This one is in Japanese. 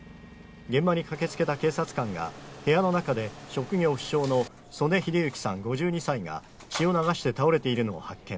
現場に駆けつけた警察官が部屋の中で職業不詳の曾根英之さん５２歳が血を流して倒れているのを発見。